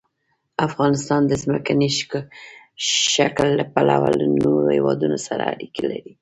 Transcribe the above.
افغانستان د ځمکني شکل له پلوه له نورو هېوادونو سره اړیکې لري.